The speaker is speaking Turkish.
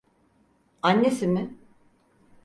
Annesi mi?